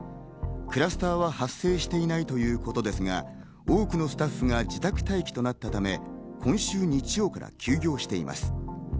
クラスターは発生していないということですが、多くのスタッフが自宅待機となったため、今週日曜から休業しています。